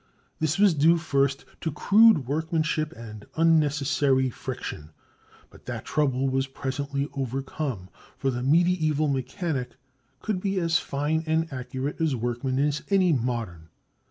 This was due first to crude workmanship and unnecessary friction; but that trouble was presently overcome, for the medieval mechanic could be as fine and accurate a workman as any modern.